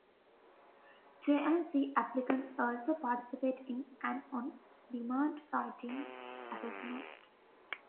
J and C applicants also participate in an on-demand writing assessment.